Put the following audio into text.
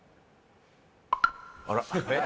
あら？